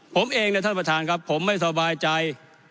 ผมเองเนี่ยท่านประธานครับผมไม่สบายใจ